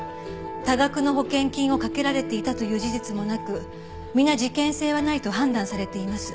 多額の保険金を掛けられていたという事実もなく皆事件性はないと判断されています。